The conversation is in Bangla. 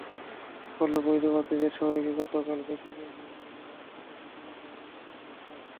ফলে বৈধ প্রার্থীদের সবাইকে গতকাল বেসরকারিভাবে নির্বাচিত ঘোষণা করে নির্বাচন কমিশন।